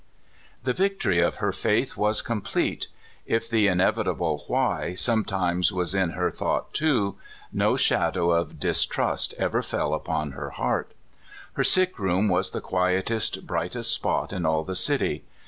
The victory of her faith was complete. If the inevitable whyf sometimes was in her thought, no shadow of distrust ever fell upon her heart. Her sick room was the quietest, brightest spot in all the city.